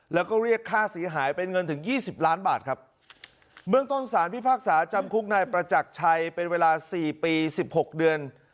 แล้วก็เรียกค่าเสียหายเป็นเงินถึงยี่สิบล้านบาทครับเบื้องต้นสารพิพากษาจำคุกนายประจักรชัยเป็นเวลาสี่ปีสิบหกเดือน